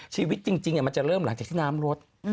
ชีวิตจริงมันจะเริ่มหลังจากที่น้ำลด